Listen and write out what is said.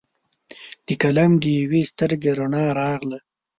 د قلم د یوي سترګې رڼا راغله